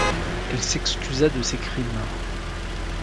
Elle s'excusa de ses crimes.